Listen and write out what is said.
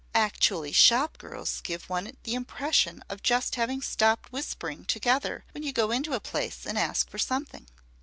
Actually shop girls give one the impression of just having stopped whispering together when you go into a place and ask for something.